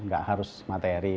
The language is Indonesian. gak harus materi